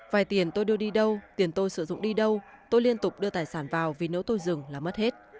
vài tiền tôi đưa đi đâu tiền tôi sử dụng đi đâu tôi liên tục đưa tài sản vào vì nếu tôi dừng là mất hết